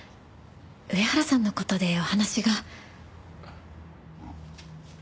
上原さんの事でお話が。